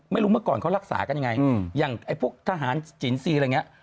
เมื่อก่อนเขารักษากันยังไงอย่างไอ้พวกทหารจินซีอะไรอย่างนี้